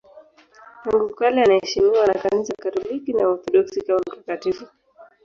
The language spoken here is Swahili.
Tangu kale anaheshimiwa na Kanisa Katoliki na Waorthodoksi kama mtakatifu.